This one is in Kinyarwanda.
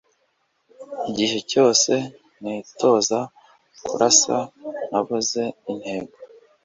igihe cyose nitoza kurasa, nabuze intego